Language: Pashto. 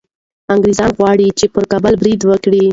انګریزان غواړي چي پر کابل برید وکړي.